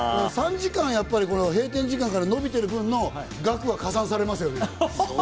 ３時間、閉店時間から延びてる分の額は加算されますよね。